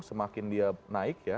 semakin dia naik ya